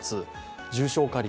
重症化率